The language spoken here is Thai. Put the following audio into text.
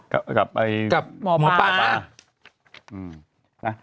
อ๋อกับหมอป๊า